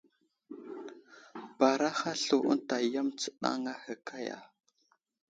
Baaraha slu ənta yam astəɗaŋŋa ahe kaya !